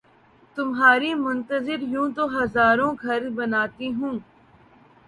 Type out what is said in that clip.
تمہاری منتظر یوں تو ہزاروں گھر بناتی ہوں